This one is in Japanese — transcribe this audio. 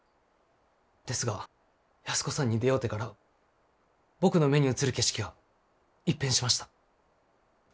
ですが安子さんに出会うてから僕の目に映る景色が一変しました。